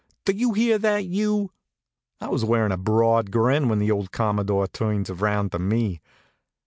Do you hear that, you?" I was wearin' a broad grin when the old Commodore turns around to me.